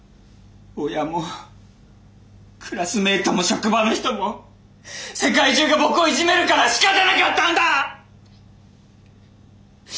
親もクラスメートも職場の人も世界中が僕をいじめるからしかたなかったんだ！